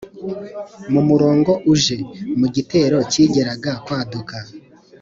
Mu murongo uje: mu gitero kigeraga kwaduka.